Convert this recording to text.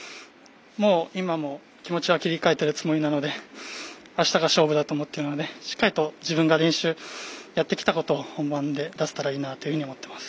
もう今も気持ちは切り替えているつもりなのであしたが勝負だと思っているのでしっかりと練習やってきたことを本番出せたらいいなと思います。